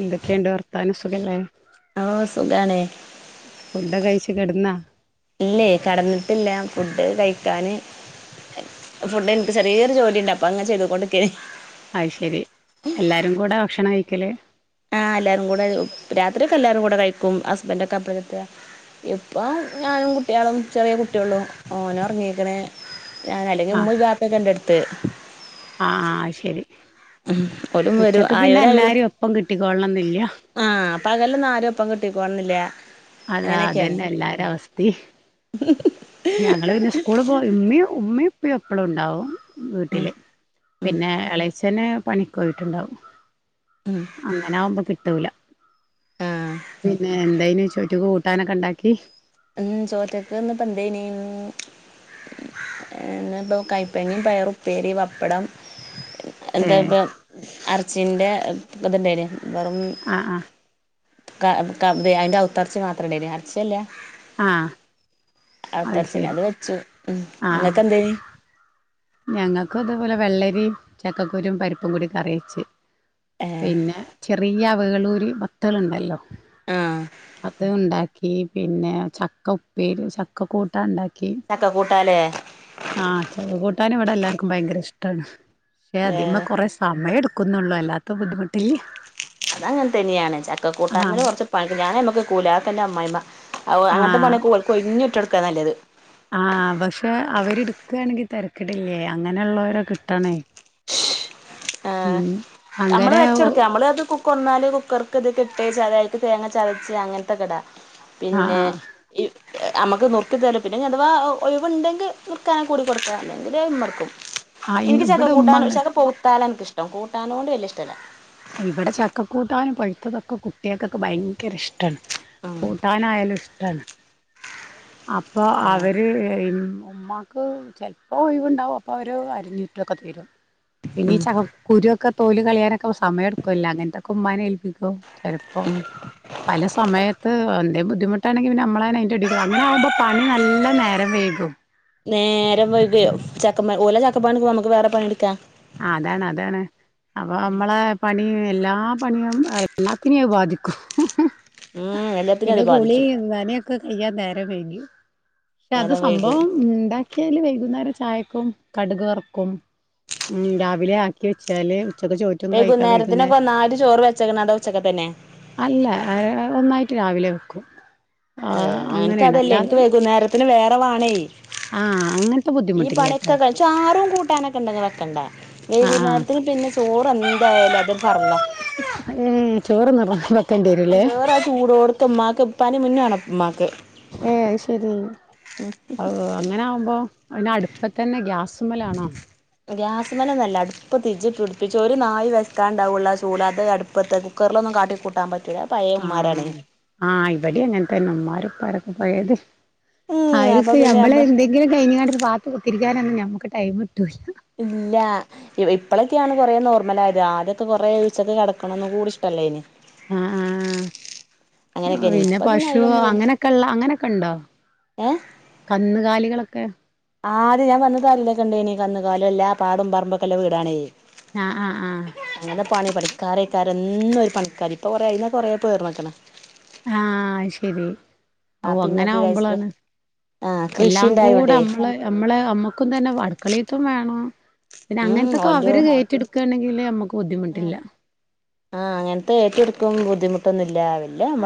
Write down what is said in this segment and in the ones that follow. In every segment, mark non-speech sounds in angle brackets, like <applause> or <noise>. എന്തൊക്കയുണ്ട് വർത്താനം സുഖല്ലേ ഓ സുഖാണ് ഫുഡൊക്കെ കഴിച്ച് കിടന്നാ ഇല്ലേ കടന്നിട്ടില്ല ഫുഡ് കഴിക്കാന് ഫുഡ് എനിക്ക് ചെറിയൊരു ജോലിയ്ണ്ട് അപ്പൊ അങ്ങനെ ചെയ്ത് കോണ്ടിക്കേ നി അയ്ശെരി എല്ലാരും കൂടെ ഭക്ഷണം കഴിക്കല് ആ എല്ലാരും കൂടെ രാത്രിയൊക്കെ എല്ലാരും കൂടെ കഴിക്കും ഹസ്ബന്റ് ഒക്കെ അപ്പഴെത്ത ഇപ്പ ഞാനും കുട്ടികളും ചെറിയ കുട്ടിയൊളും മോന് ഉറങ്ങീക്ക്ണ് ആ അല്ലെങ്കിൽ ഉമ്മ ബാപ്പ ഒക്കെ ഉണ്ടടുത്ത് ആ അയ്ശെരി ഉം ഓലും വരും ആയോല്ആയോല് എല്ലാരും ഒപ്പം കിട്ടിക്കോളണംന്നില്ല ആ അപ്പൊ പകലൊന്നും ആരും ഒപ്പം കിട്ടിക്കോണന്നില്ല അതാ അങ്ങനെയൊക്കെയാണ് അതന്നെ എല്ലാരും അവസ്ഥേം ഞങ്ങള് പിന്നെ സ്കൂള് പോയി ഉമ്മി ഉമ്മയും ഉപ്പയും എപ്പളും ഉണ്ടാവും ഉം വീട്ടില് ഉം പിന്നെ ഇളേച്ചനും പണിക്ക് പോയിട്ടുണ്ടാവും ഉം അങ്ങനെ ആകുമ്പം കിട്ടൂല ആ പിന്നെ എന്തായന് ചോറ്റു കൂട്ടാനൊക്കെ ഉണ്ടാക്കി ഉം ചോറ്റിക്ക്ന്ന്പ്പേ എന്തേന് എന്നിപ്പോൾ കൈപ്പങ്ങേം പയറുപ്പേരി വപ്പടം എന്താ ഏഹ് ഇപ്പ അറച്ചിന്റെ കതന്റേല് ആ ആ കാ കാബ്ദേ അയിന്റെ ഔത്തർച്ചി മാത്രംണ്ടേന് അർച്ചയല്ല ആഹ് ആ ഔതറച്ചിനെ അത് വെച്ചു ഉം നിങ്ങക്ക് എന്തേ ഞങ്ങൾക്കും അതേപോലെ വെള്ളരിയും ചക്കക്കുരും പരിപ്പും കൂടി കറി വെച്ച് ഏ പിന്നെ ചെറിയ അവകളൂരീം പത്തലുണ്ടല്ലോ ആഹ് അത് ഉണ്ടാക്കി പിന്നെ ചക്ക ഉപ്പേരീം ചക്കക്കൂട്ടാൻ ഉണ്ടാക്കി ചക്ക കൂട്ടാല്ലേ ആഹ് ചക്കകൂട്ടാന് ഇവിടെ എല്ലാർക്കും ഭയങ്കര ഇഷ്ടാണ് പക്ഷെ ഏ അതിമ കൊറെേ സമയെടുക്കും ക്കുന്നുള്ളോ അല്ലാത്ത ബുദ്ധിമുട്ടില്ല അത് അങ്ങനെ തന്നെയാണ് ചക്ക കൂട്ടാന്നില് ആഹ് കുറച്ച് പങ്ക് ഞാനേമ്മക്ക് കൂലാത്തല്ലാ അമ്മായിമ്മ ഓ അങ്ങനത്തെ ആഹ് പണിയൊക്ക ഒൽ കുഞ്ഞുട്ടികൾക്ക് എതല്ലേത് ആഹ് പക്ഷെ അവര് എടുക്കയാണങ്കി തെരക്കിടില്ലേ അങ്ങനെ ഒള്ളോര കിട്ടണേ <inaudible> ഏ ഉം നമ്മള് അങ്ങനെ ആഹ് വെച്ചെടുക്ക നമ്മള് അത് കുക്ക് ഒന്നാല് കൊർക്ക ഇതേകെട്ടേച്ചാതായിട്ട് തേങ്ങ ചതച്ച് അങ്ങനത്തെക്കെടാ പിന്നെ ആഹ് ഈ നമുക്ക് നറുർത്ത് തരും പിന്നെ അഥവാ ഒഴിവുണ്ടെങ്കിൽ നറുക്കാനൻ കൂടി കൊടുക്കുക അല്ലെങ്കിൽ എന്തില് മർക്കും ആഹ് എനിക്ക് ചക്ക ഇവിടെ ഉമ്മ കൂട്ടാൻ അങ്ങനെ ചക്ക പൊത്താലാ എനിക്കിഷ്ടം കൂട്ടാനോട് വലിയ ഇഷ്ടല്ല ഇവിടെ ചക്കക്കൂട്ടാനും പഴുത്തതൊക്കെ കുട്ടികൾക്കൊക്കെ ഭയങ്കര ഇഷ്ടാണ് ഉം കൂട്ടാനായാലും ഇഷ്ടാണ് അപ്പൊ ആഹ് അവര് ഉമ്മാക്ക് ചെലപ്പോ ഒഴിവുണ്ടാവും അപ്പൊ അവര് അരിഞ്ഞൂറ്റൊക്കെ തരും പിന്നീ ചക്ക കുരു ഒക്ക തോല് കളിയാനൊക്കസമയ എടുക്കല്ല അങ്ങനത്തൊക്കെ ഉമ്മാന് ഏല് ൾക്കും ചെലപ്പോ പല സമയത്ത് ദേ ബുദ്ധിമുട്ടാണെങ്കി പിന്ന അമ്മളെന്നെ അയിൻ്റെ അടീല് അങ്ങനെയാകുമ്പം പണി നല്ല നേരം വൈകും നേരം വൈകേ ചക്കമ്മേ ഓലൽ ആക്കപ്പാണ് നമുക്ക് വേറെ പണിയെടുക്കാം അതാണ് അതാണ് അപ്പൊ നമ്മള് പണി വെ എല്ലാ പണിയും എല്ലാത്തിനെയും അത് ബാധിക്കും ഉം എല്ലാത്തിനും പിന്നെ അത് ഗോളി ബാധിച്ചു എന്താനേക്കൊ അയ്യ നേരം വൈകി പക്ഷെ അത് നേരം വൈകും സംഭവം ഉണ്ടാക്കിയാല് വൈകുന്നേരം ചായക്കും കടക് വറക്കും ഉം രാവിലെ ആക്കി വെച്ചാല് ഉച്ചക്ക് ചോറ്റും കഴിക്കാൻ വൈകുന്നേരത്തിനൊക്കെ വൈകുന്നേരം ഒന്നാടി ചോറ് വെയ്ച്ചേക്കണം അട ഉച്ചക്കത്തന്നെ അല്ല ഏ ഒന്നായിട്ട് രാവിലെ വെക്കും ഏ ആഹ് ഞാൻക്ക് അങ്ങനെയാണ് അതല്ലേ എനിക്ക് അല്ലാതെ വൈകുന്നേരത്തിന് വേറെ വാണേ ആഹ് ന്ന് ഈ പണിയൊക്കെ കഴിച്ചു ച്ചാറുണ്ട് കൂട്ടാനൊക്കെ ഉണ്ടെങ്കില് വെക്കണ്ടേ ആഹ് ആഹ് വൈകുന്നേരത്തിനു പിന്നെ ചോറ് എന്ത് എന്തായാലും അതു പറല്ല ഉം ചോറ് നിർബന്ധം വെക്കേണ്ടി വരൂലേ ജോറാ ചൂടോടുത്ത ഉമ്മാക്ക്പ്പാനും മിന്നു വേണം ഉമ്മാക്ക് ഏ അയ്ശരി അങ്ങനെ ആവുമ്പോ പിന്ന അടുപ്പതന്നെ ഗ്യാസുമലാണോ ഗ്യാസ്മേലൊന്നു അല്ല അടുപ്പ് തിജി ഇട്ടു ഒടുപ്പിച്ചു ഒരു നായി വെക്കാണ്ടാവുള്ള ചൂട് അത് അടുപ്പത്ത് കുക്കറൊന്നും ന്നും കാട്ടിക്കൂട്ടാൻ പറ്റ് ആഹ് ആഹ് ഇവിടെ അങ്ങനത്തെന്നെ ഉമ്മാരഉപ്പാരക്ക പഴേത് ഉം അപ്പൊ അയ്ന്പ്പെ പിന്നെ നമ്മള് ഞമ്മളെന്തെങ്കിലും കയ്ഞ്ങ്ങാണ്ട് ബാത്‌ കുത്തിരിക്കാനങ്ങട് ഞമ്മക് ടൈമ് കിട്ടൂലാ... ഇല്ല്യാ... ഇപ്പളക്ക്യാണ് കൊറെ നോർമലായത് ആദ്യൊക്കെ കൊറേ ഉച്ചക്ക്കെടക്കണംകൂടിഇഷ്ട ട്ടല്ല്യേനി അ ആ.. അങ്ങനെയൊക്കെനി പിന്നെ ഇപ്പൊ പശു അതിലൊന്നും വ അങ്ങനെക്കെള്ളാ അങ്ങനെക്കെണ്ടോ.... ഏഹ് കന്നുകാലികളക്കെ.. ആദ്യ ഞാ വന്നതീലൊക്കെണ്ടേന്ന് കന്നുക്കാലിയെല്ലാം ല്ലാ... പാടം പറമ്പൊക്കല്ലെ വീടാണേ.. ആഹ് ആഹ് ആഹ് അങ്ങനെപണിപണിക്കാ ക്കാരെന്നൊരു പണിക്കാര് ഇപ്പ കൊറേ അയ്നൊക്കെകൊറേപേർന്നക്ക്ണ്. ആ... ശെരി അവ്വ് വാപ്പിമ്മക്ക് വയസ് അങ്ങനാമ്പളാണ് ആഹ് കൃഷി എല്ലാം ഇണ്ടായോണ്ടേ കൂടെമ്മള് ഞമ്മളെ മ്മക്കുംതന്നെ അടുക്കളേത്തും വേണം പിന്ന ഉം ഓലോ അങ്ങനത്തൊക്കവരേറ്റെട്ത്ത്ട്ക്കാണെ ങ്കില് നമ്മക് ബുദ്ധിമുട്ടില്ലാ... ആ.. അങ്ങനത്തെഏറ്റെടുക്കും ബുദ്ധിമുട്ടൊന്നുല്ലാ...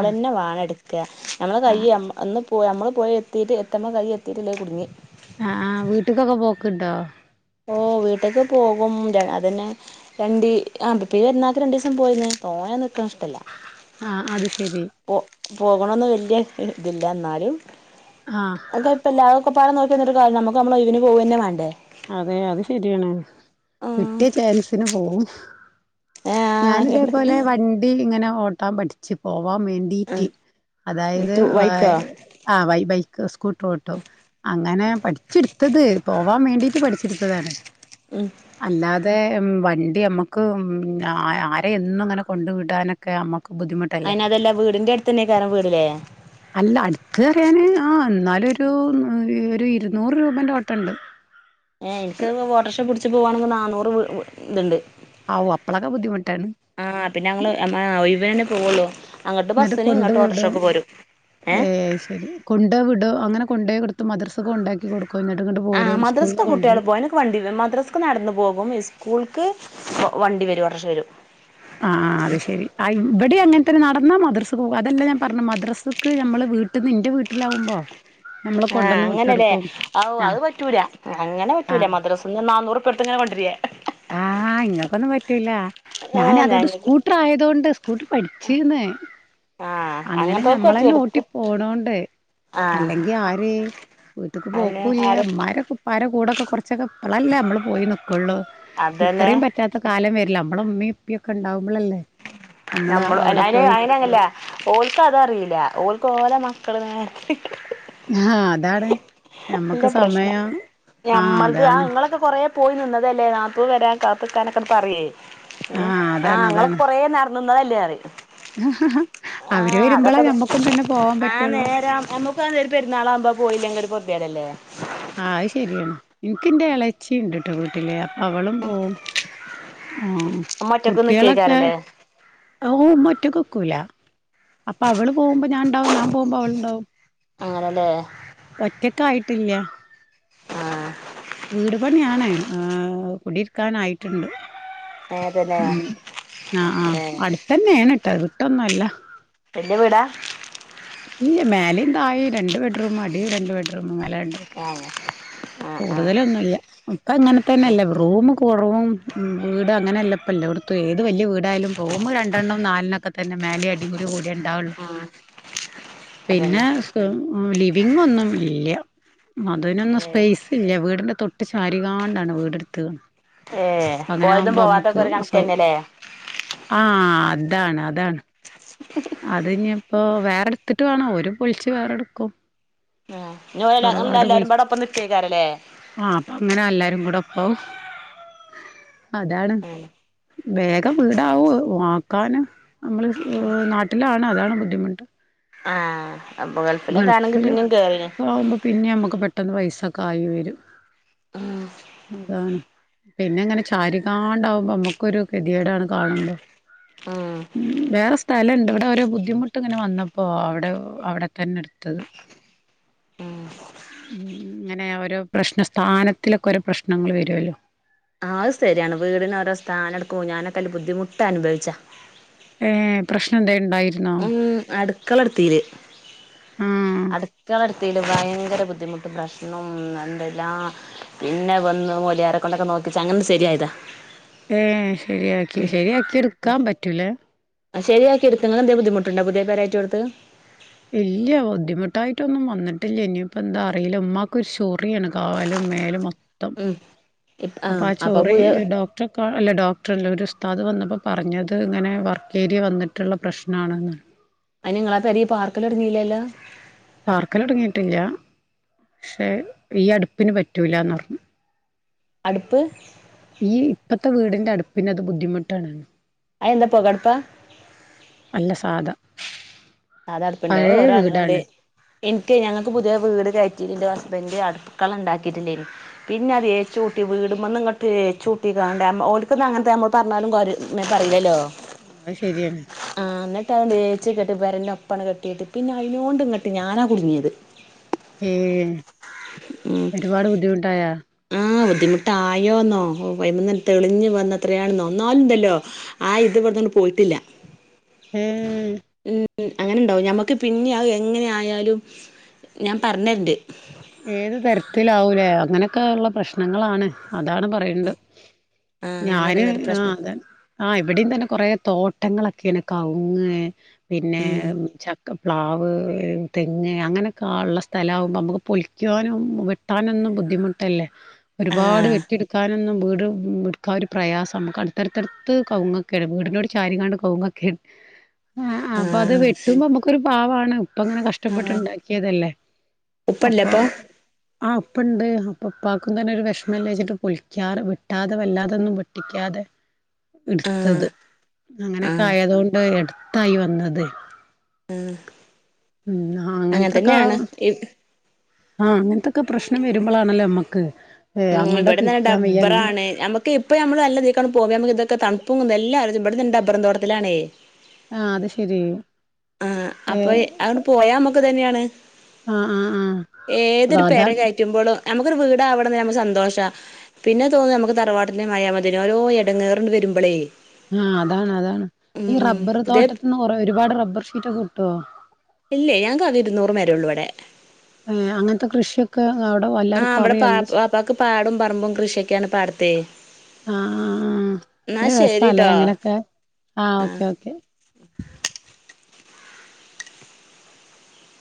ആഹ് വാണെട്ക്കാ... ഞമ്മളെ ആഹ് കയ്യ് അമ് അന്ന്പോയി മ്മള് പോയി എത്തീട്ട് എത്തണ്ട കയ്യ് എത്തീട്ടില്ലെങ്കില് കുട്ങ്ങി അ ആ വീട്ട്ക്കൊക്കെ പോക്ക്ണ്ടോ..? വീട്ട് ക്ക് പോകും മ്അതന്നെ രണ്ടീ അ ഇപ്പൊഈപെരുന്നാക്ക്പോയിന്ന് തോനെ നിക്ക്ണ ഇഷ്ടല്ല ആ അത് ശരി പോകണൊന്ന് വല്ല്യ ര്തില്ല ന്നാലും ആഹ് അ കൊയ്പ്പല്ല്യാ ക്കൊപ്പാടെ നോക്കിന്ന്ട്ട് കാര്യന്നാ മ്മക്കമ്മളെയ്ന് പോവന്നെവാണ്ടേ.. അതെ അത് ശരിയാണ് കിട്ടിയ ചാൻസിന്പോവും ഞാനിതേപോലെ ആഹ് വണ്ടിങ്ങനെ ഓട്ടാൻ പഠിച്ച് പോവാൻ വേണ്ടി അതായത് വാ.. വൈക്കോ വയ് ബൈക്ക് സ്കൂട്ടറോട്ടും അങ്ങനെ പഠിച്ചിട്ത്ത് ത്തത്‌ പോവാൻ വേണ്ടിട്ട് പഠിച്ചെടുത്തതാണ് ഉം അല്ലാതെ.. എം വണ്ടിഅമക്ക് മ് അ ആരെ എന്നുങ്ങനെ കൊണ്ട്ടാനൊക്കെ അമ്മ ബുദ്ധിമുട്ടല്ലെ അയിന് അതല്ല വീടിന്റെ അടുത്തന്നെക്കാരം വീടില്ലേ അല്ല അട്ത് ന്നറിയാന് അ ന്നാലൊരൂ... മ് ഒരുഇരുന്നൂറ് രൂപന്റെ ഓട്ടണ്ട് ഏ.. നിക്കക്കെവ് വോട്ടോർക്ഷ പിടിച്ച് പോവണെങ്കെ നാന്നൂറ്ത്ണ്ട് ആവു അപ്പളൊക്കെ ബുദ്ധിമുട്ടാണ് ആ... പിന്നങ്ങള് എമാഒഴിവിനന്നെ പോവൊള്ളു ന്നിട്ട് കൊണ്ട്വ്ടും ഏ.. ഏഹ് ശെരി കൊണ്ടോവിടൊ അങ്ങനെ കൊണ്ടേയ്കൊട്ത് മദ്രസ ആമദ്രാസ്ക് കൊണ്ടരും കുട്ടിള് പോവും. അയ്നൊക്കെ വണ്ടില്ലെ മദ്രസ്ക് നടന്ന് പോവും. സ്കൂൾക്ക് വണ്ടി വരും. ഓട്ടോറഷ വരും. അ അഅത്ശരി അയ്വടേം അങ്ങനെതന്നെ നടന്നാ മദ്രസക്ക് പോവാ. അതല്ലാഞാൻ പറഞ്ഞത് മദ്രസ മക്ക് ഞമ്മളെ വീട്ട്ന്ന് ന്റെ വീട്ടിലാവുമ്പോ. നമ്മള് കൊണ്ടന്ന് ആഅങ്ങനെലേ. വിട്ടെടുക്കും അവ് ആ അപറ്റൂല ആ അങ്ങനെപറ്റൂല മദ്രസ്ന്ന് നാന്നൂറ് കൊട്ത്ങ്ങനെ കൊണ്ട്രേ. ആ ഇങ്ങക്കൊന്നും പറ്റൂലാ. ഞാൻ ആഹ് അതോണ്ട് ഞങ്ങക്ക് സ്കൂട്ടറായൊണ്ട് സ്കൂട്ടറ് പഠിച്ചീന്ന് ആഹ് അങ്ങനെ അങ്ങനത്തോർക്ക് പറ്റും എടുത്ത് നഞമ്മളന്നോട്ടി പോണോണ്ട് ആഹ് അല്ലെങ്കി ആര് വീട്ട്ക്ക് അന്നെ പോക്കൂല്ല്യാ ആര ഇമ്മാരെക്കപ്പാരകൂടൊക്കെ കൊറച്ചൊക്കെ ഇപ്പളല്ലേ ഞമ്മള് പോയി നിക്കൊള്ളൂ. അതന്നെ ഇത്രേം പറ്റാത്തകാലം വര്. ഞമ്മളിമ്മീമ്ഇപ്പക്കെ ണ്ടാവുമ്പളല്ലേ. നമ്മള് ഞമ്മള് അവിടെ അയ്ന് പോയി അയിനങ്ങല്ലാ ഓൽക്കതറിയില ഓൽ കോല മക്കള്ങ്ങനെ അഹ് അതാണ് ഞമ്മക്ക് ല്ലപ്രശ്നം സമയം ആ ഞമ്മൾത് ആ അതാണ് ഇങ്ങളൊക്കെ കൊറെ പോയി നിന്നതല്ലേ നാതൂന് വരാന് കാത്ത്ക്കാനൊക്കെ പറയേ... എ ആഹ് ആ അതാണ് ഇങ്ങളൊക്കെ അതാണ് കൊറനേനിന്നതല്ലേന്ന് പറയും. ആ അവര് വരുമ്പളേ അതൊക്കെ ഞമ്മക്കും തന്നെ പോവാൻ ആ പറ്റുള്ളൂ നേരം ഞമ്മക്കത്പെരുന്നാളാവുമ്പോ പോയില്ലങ്കി പ്പാടല്ലേ ആ അത് ശരിയാണ് എനിക്കിന്റെ ഇളച്ചി ഉണ്ട് കേട്ടോ വീട്ടിലെ അവളും പോവും ആ നമ്മ ഒറ്റക്ക് കുട്ടികളൊക്കെ നിക്കേക്കാരല്ലേ ഓ ഒറ്റ കൊക്കൂല അപ്പൊ അവള് പോകുമ്പോ ഞാൻ ഉണ്ടാവും ഞാൻ പോകുമ്പോ അവളുണ്ടാവും ആറലേ ഒറ്റക്ക ആയിട്ട്ങ്ങ ആഹ് വീട് പണിയാണ കുടിരിക്കാനായിട്ടുണ്ട് അതന്നെ ഉ ആഹ് ആഹ് ഏ അടുത്തന്നെയാണ് കേട്ടോ വിട്ടൊന്നുംല്ല എന്റെറെ വീടാ ഇല്ല മേലേം താഴേം രണ്ട് ബെഡ് റൂം അടിയിൽ രണ്ട് ബെഡ് റൂം ആ <unintelligible> ആ കൂടുതലൊന്നും ഇല്ല ഇപ്പ അങ്ങനെ തന്നെയല്ല റൂമ് കുറവും വീട് അങ്ങനല്ല ഇപ്പല്ല ഇവിടത്ത ഏത് വലിയ വീടായാലും റൂമരണ്ടെണ്ണം നാലെണ്ണം ഒക്കെ തന്നെ മേലെ അടികൂടി കൂടി ഉണ്ടാവുള്ളു അ പിന്നെ ലിവിംഗ് ഒന്നും ഇല്ല അതിനൊന്നും സ്പേസ് ഇല്ല വീടിന്റെതൊട്ട് ശാരികണ്ടാണ് വീടെടുത്തണ് ഏ അങ്ങനെ പോയതും ആകുമ്പോ നമ്മുക്ക് പോവാത്തൊക്കെ ഒരു സൗ കണക്കന്നെല്ലേ ആ അതാണ് അതാണ് അത് ഇനി ഇപ്പോവേറെ എടുത്തിട്ട് വേണ അവര് പൊളിച്ചു വേറെ എടുക്കും ഇനി ഓല് തറവാട് എല്ലാരും പാടെ ഒപ്പം നിക്കേക്കാരല്ലേ പൊളിച്ചആ അപ്പൊ അങ്ങനെ എല്ലാരും കൂടെ ഓ അതാണ് വേഗം വീടാവു വാക്കാന് നമ്മള് നാട്ട വീട്ടിലാണ് അതാണ് ബുദ്ധിമുട്ട് ആ അപ്പൊ ഗൾഫിലൊക്കെ ആണെങ്കി പിന്നിം കേറീനി ഗൾഫിലക്കെ ആവുമ്പോ പിന്നെ നമ്മുക്ക് പെട്ടന്ന് പൈസൊക്കെ ആയി വരും ഉം അതാണ് പിന്നെ ഇങ്ങനെ ചാരികാണ്ടാവുമ്പോ നമ്മുക്കൊരു കതിയേടാണ് കാണുമ്പോ ഉം ഉ വേറെ സ്ഥലം ഉണ്ട് ഇവിടെ ഓരോ ബുദ്ധിമുട്ട് ഇങ്ങനെ വന്നപ്പോ അവിടെ അവിടെ തന്നെടുത്തത് ഉം ഉ അങ്ങനെ ഓരോ പ്രശ്ന സ്ഥാനത്തിലൊക്കെ ഓരോ പ്രശ്നങ്ങൾ വരുവല്ലോ അത് ശരിയാണ് വീടിനഓരോ സ്ഥാനം എടുക്കോ ഞാനൊക്കെല് ബുദ്ധിമുട്ട് അനുഭവിച്ചാ ഏ പ്രശ്നം എന്തായി ഉ അടുക്കള എടുത്തീല് ആഹ് അടുക്കള അടുത്തതില്ഭയങ്കര ബുദ്ധിമുട്ടും പ്രശ്നം എന്തല്ല പിന്നെ വന്ന് മുയ്ലാരെ കൊണ്ടൊക്കെ നോക്കിച്ചാ അങ്ങനെ ശരിയായതാ ഏ ശരിയാക്കി ഉം ശരിയാക്കി എടുക്കാൻ പറ്റൂ ലേ ആ ശരിയാക്കി എടുക്കണത് എന്താ ബുദ്ധിമുട്ടുണ്ടാ പുതിയ പെര വെച്ചോടത്ത് ഇല്ല ബുദ്ധിമുട്ടായിട്ടൊന്നും വന്നിട്ടില്ല ഇനിയിപ്പോ എന്താ അറിയില്ല ഉമ്മാക്കൊ ഒരു ചോറിയാണ് കാലും മേലുമൊ - - ഉം ഇപ്പ ത്തംഅപ്പൊ ആ അപ്പൊ ചോറി പുതിയ ഡോക്ടർ അല്ല ഡോക്ടർല്ല ഒരു ഉസ്താദ് വന്നപ്പം അപ്പൊ പറഞ്ഞത് ഇങ്ങനെ വർക്ക് ഏരിയ വന്നിട്ടുള്ള പ്രശ്നണെന്ന അതിന്‌നിങ്ങളാ പെരയിൽ പാർക്കല് തുടങ്ങില്ലല്ലോ പാർക്കൽ തുടങ്ങിട്ടില്ല പക്ഷെ ഈ അടുപ്പിന് പറ്റൂല്ലന്ന് പറഞ്ഞു അടുപ്പ് പിന്നെ അത് ബുദ്ധിമുട്ടാണ് എന്താ പൊ കടപ്പാ അല്ല സാധാ സാധ അടുപ്പുണ്ടോ പഴയ ഓരോ അണ്ണ്ട് വീടാണ്. എനിക്ക് ഞങ്ങൾക്ക് പുതിയ വീട് കയറ്റിട്ട് എന്റെ ഹസ്ബൻഡ് അടുക്കള ഉണ്ടാക്കിട്ടില്ലായിരുന്നു പിന്നെ അത്ഏച്ച്കൂട്ടി വീടുമ്പന്ന് ഇങ്ങട്ട് ഏച്ച്ചൂട്ടിക്കാണ്ട ഓനക്കന്ന് അങ്ങനത്തെ നമ്മളോട് പറഞ്ഞാലും <unintelligible> പറയില്ലല്ലോ അത് ശരിയാണ്. ആഎന്നിട്ട് ആ ഏച്ചി കെട്ടി പറയണ്ട പ്പണ് കെട്ടിയട്ട് പിന്നെ അതിനോണ്ട് ഇങ്ങോട്ട് ഞാനാ കുടുങ്ങിയത് ഏ ഒരുപാട് ബുദ്ധിമുട്ടായ ആ ബുദ്ധിമുട്ടായോന്നോ ഓ വൈമന്ന് തെളിഞ്ഞു വന്ന അത്രയാണോ ന്നാലുംണ്ടല്ലോ ആ ഇത് ഇബട്ന്നാണ്ട് പോയിട്ടില്ല. ഏഹ് ഉം ഉം അങ്ങനെണ്ടാവും ഞമ്മക്ക് പിന്നെ എങ്ങനെ ആയാലും ഞാൻ പറ്ഞ്ഞെരണ്ട് ഏത് തരത്തിലാവൂലേ അങ്ങനൊക്കെ ഉള്ള പ്രശ്നങ്ങളാണ് അതാണ് പറയണ്ട് ആഹ് ഞാന് അങ്ങനെയൊക്കെള്ളൊരു ആ പ്രശ്നം അത ആ ഇവടീംതന്നെ കൊറേ തോട്ടങ്ങളൊക്കെയാണ് കവുങ്ങ് പിന്നെ ഉം ചക്ക പ്ലാവ് തെങ്ങ് അങ്ങനൊക്കെള്ള സ്ഥലാവുമ്പോ നമമക്ക് പൊ ക്യോനും വെട്ടാനൊന്നു ബുദ്ധിമുട്ടല്ലേ ഒരുപാട് ആഹ് വെട്ടിയെടുക്കാനൊന്നും വീ ട് മുറ്ക്കാ ഒരു പ്രയാസണ്ട് അടുത്തടുത്തടുത്ത് കവുങ്ങൊക്കെ വീടിനോട് ചാരിങ്ങാണ്ട് കൗങ്ങൊക്കെ ആ ആ അപ്പൊ അത് ആഹ് വെട്ടുമ്പോ മമക്കൊരു പാവാണ് പ്പങ്ങനെ കഷ്ടപ്പെട്ട് ഉണ്ടാക്കിയതല്ലേ എപ്പ ആ ഉപ്പണ്ട് ഉപ്പാക്കും തന്നൊരു വിഷമല്ലേ വച്ചിട്ട് പൊളിക്കാറ് വിട്ടാതെ വല്ലാതൊന്നും വെട്ടിക്കാതെ ആഹ് ഇട്ത്തത് അങ്ങനൊക്കെ ആഹ് ആയതോണ്ട് എടത്തായി വന്നത് ആ ഉം അങ്ങനത്തൊക്കെ അങ്ങൻതന്നൊണ് ആഹ് അങ്ങനത്തൊക്കെ പ്രശ്നം വരുമ്പൊളാണല്ലോ അമ്മക്ക് ഉം ഇബടന്നങ്ങ് ഡബ്ബറാണ് നമ്മ ക്കപ്പൊ നമ്മള് നല്ലതീക്കാണ് പോവ നമക്ക് ഇതൊക്ക തണുപ്പും എല്ലാരതുമ്പടന്നെന്താ റബ്ബരുംതോട്ടത്തിലാണെ ആഹ് അത് ശരി ആ അപ്പൊ ഏഹ് അണ്ട് പോയാമക്ക്തന്നെയാണ് ആഹ് ആഹ് ആഹ് അത ഏതൊരു പെര അതാണ് കയറ്റുമ്പോളും നമുക്കൊരു വീടാവ നമക്ക് സന്തോഷാ പിന്നെ തോന്നു നമുക്ക് തറവാട്ടന്റെ മായമതി ഓരോ എടങ്ങറണ്ട് വരുമ്പോളേ ആ അതാണ് അതാണ് ഈ റബ്ബർ പുതിയ തോട്ടത്തിന്ന് കൊറ ഒരുപാട് റബ്ബർ ഷീറ്റൊക്കെ കിട്ടുവോ ഇല്ലേ ഞങ്ങക്ക് ആകെ ഇരുന്നൂപേരൊള്ളൂ ഇവിടെ ഏ അങ്ങനത്തെ കൃഷിയൊക്കെ അവിടെ ആ എല്ലാർക്കും വടെ അറിയോ പ അങ്ങനെ വാപ്പാക്ക് പാടും പറമ്പും കൃഷിയൊക്കെയാണ് പാടത്തെ ആ ആ ആ എന്നാ നല്ല രസാലേ ശരിട്ടോ ആ അങ്ങനൊക്കെ ആ ഓക്കെ ഓക്കെ <inaudible>